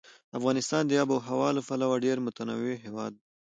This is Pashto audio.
افغانستان د آب وهوا له پلوه ډېر متنوع هېواد دی.